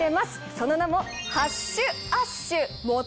その名も。